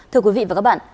thưa quý vị và các bạn